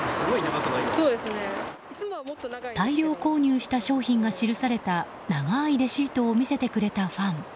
大量購入した商品が記された長いレシートを見せてくれたファン。